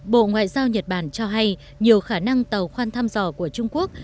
bộ ngoại giao nhật bản cho hay nhiều khả năng tàu khoan thăm dò của trung quốc